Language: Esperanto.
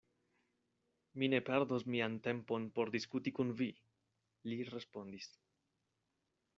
Mi ne perdos mian tempon por diskuti kun vi, li respondis.